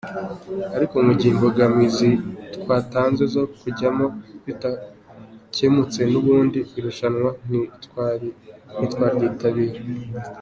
Ariko mu gihe imbogamizi twatanze zo kujyamo zidakemutse n’ubundi irushanwa ntitwaryitabira”.